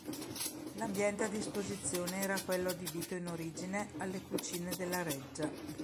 L'ambiente a disposizione era quello adibito in origine alle cucine della reggia.